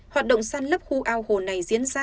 hoạt động săn lấp khu ao hồ này diễn ra